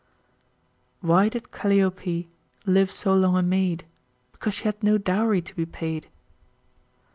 Why did Calliope live so long a maid? Because she had no dowry to be paid.